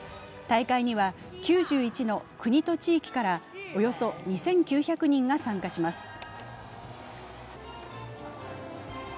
大会には９１の国と地域からおよそ２９００人が参加します。